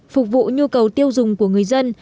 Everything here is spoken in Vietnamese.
phục vụ nhu cầu tiêu dùng của người dân